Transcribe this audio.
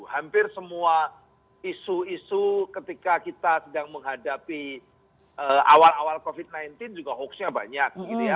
hampir semua isu isu ketika kita sedang menghadapi awal awal covid sembilan belas juga hoaxnya banyak